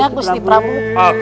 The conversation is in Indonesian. kalau saya melipat